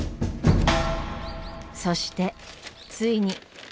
そしてついに。